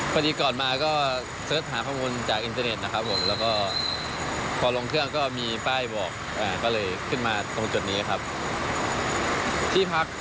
พันธุ์ติดกล่อนมาคิดมาข้อมูลจากอินเตอร์เน็ตแล้วก็ตรงช่างก็มีป้ายบอกเลยขึ้นมาตรงจุดนี้ครับที่เฮิค